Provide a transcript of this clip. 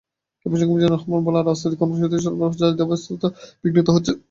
এ প্রসঙ্গে মিজানুর রহমান বলেন, রাজনৈতিক কর্মসূচিতে সরবরাহের চাহিদাব্যবস্থা বিঘ্নিত হচ্ছে।